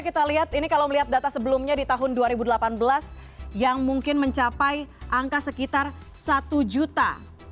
kita lihat ini kalau melihat data sebelumnya di tahun dua ribu delapan belas yang mungkin mencapai angka sekitar satu juta